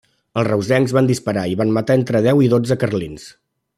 Els reusencs van disparar i van matar entre deu i dotze carlins.